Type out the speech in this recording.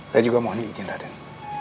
saya juga mohon izin raden